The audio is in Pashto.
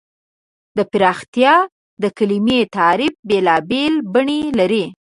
د پرمختیا د کلیمې تعریف بېلابېل بڼې لري.